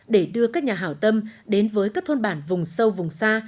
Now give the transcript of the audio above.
để đưa các nhà hảo tâm đến với các thôn bản vùng sâu vùng xa